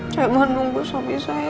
saya mohon nunggu suami saya